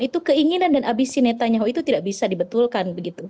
itu keinginan dan abisi netanyahu itu tidak bisa dibetulkan